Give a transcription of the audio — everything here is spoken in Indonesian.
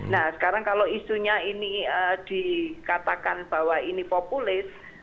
nah sekarang kalau isunya ini dikatakan bahwa ini populis